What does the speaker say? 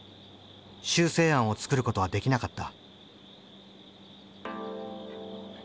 修正案を作ることはできなかった。